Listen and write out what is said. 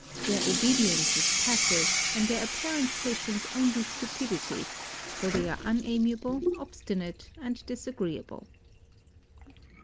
Their obedience is passive and their apparent patience only stupidity, for they are unamiable, obstinate and disagreeable.